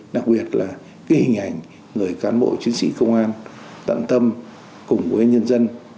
đặc biệt là cái hình ảnh người cán bộ chiến sĩ công an tận tâm cùng với nhân dân